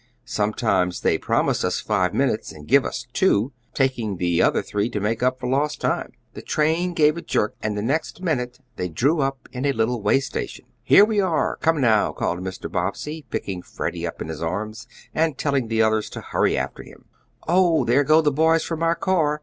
Sometimes they promise us five minutes and give us two, taking the other three to make up for lost time." The train gave a jerk, and the next minute they drew up to a little way station. "Here we are, come now," called Mr. Bobbsey, picking Freddie up in his arms, and telling the others to hurry after him. "Oh, there go the boys from our car!"